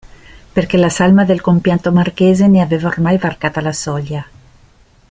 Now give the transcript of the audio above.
Perché la salma del compianto marchese ne aveva ormai varcata la soglia.